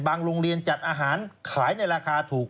โรงเรียนจัดอาหารขายในราคาถูก